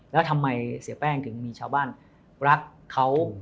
แล้วทำไมเสียแป้งถึงมีชาวบ้านรักเขา